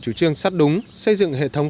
chủ trương sắt đúng xây dựng hệ thống